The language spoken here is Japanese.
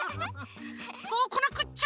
そうこなくっちゃ！